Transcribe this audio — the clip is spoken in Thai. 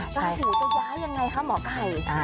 ราหูจะย้ายยังไงคะหมอไก่